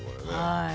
はい。